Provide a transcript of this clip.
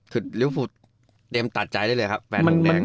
คือลิวฟูดเต็มตัดใจได้เลยครับแฟนมันแดง